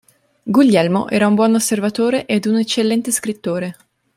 Guglielmo era un buon osservatore ed un eccellente scrittore.